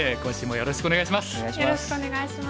よろしくお願いします。